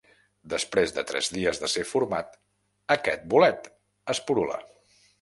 Després de tres dies de ser format, aquest bolet esporula.